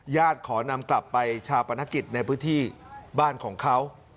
ขอนำกลับไปชาปนกิจในพื้นที่บ้านของเขา